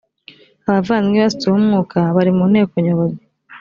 abavandimwe basutsweho umwuka bari mu nteko nyobozi